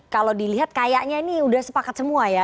kalau dilihat kayaknya ini udah sepakat semua ya